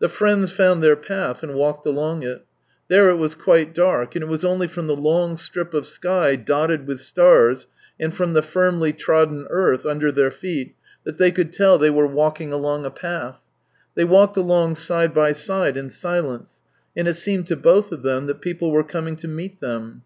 The friends found their path and walked along it. There it was quite dark, and it was only from the long strip of sky dotted with stars, and from the firmly trodden earth under their feet, that they could tell they were walking along a path. They walked along side by side in silence, and it seemed to both of them that people were coming to meet them.